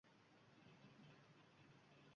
Mana ko‘plab yoshlarimizni ko‘rayapman